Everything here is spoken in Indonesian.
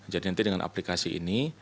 jadi nanti dengan aplikasi ini